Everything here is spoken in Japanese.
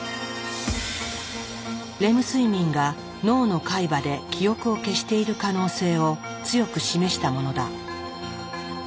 レム睡眠が脳の海馬で記憶を消している可能性を強く示したものだ。